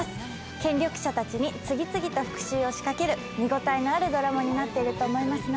権力者たちに次々と復讐を仕掛ける見応えのあるドラマになってると思いますのでぜひご覧ください。